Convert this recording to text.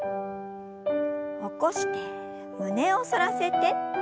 起こして胸を反らせて。